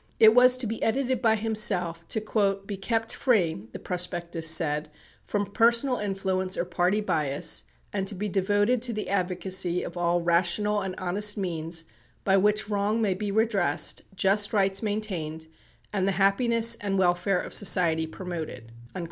It was to be edited by himself, to "be kept free," the prospectus said, "from personal influence or party bias," and to be "devoted to the advocacy of all rational and honest means by which wrong may be redressed, just rights maintained, and the happiness and welfare of society promoted."